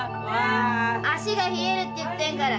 足が冷えるって言ってるから。